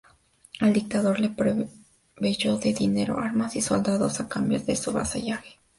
El dictador le proveyó de dinero, armas y soldados a cambio de su vasallaje.